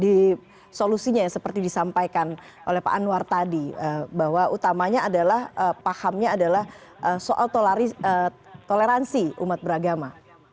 di solusinya ya seperti disampaikan oleh pak anwar tadi bahwa utamanya adalah pahamnya adalah soal toleransi umat beragama